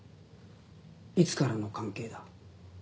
いつからの関係だ？